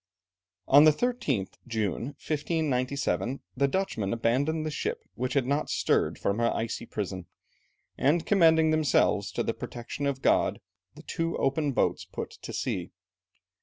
On the 13th June, 1597, the Dutchmen abandoned the ship, which had not stirred from her icy prison, and commending themselves to the protection of God, the two open boats put to sea.